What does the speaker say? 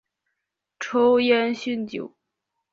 抽烟酗酒